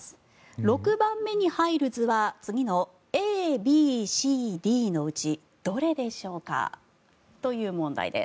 ６番目に入る図は次のＡ、Ｂ、Ｃ、Ｄのうちどれでしょうかという問題です。